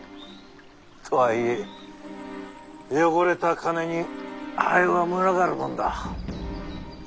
とはいえ汚れた金にハエは群がるもんだ。